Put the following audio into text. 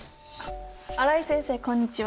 新井先生こんにちは。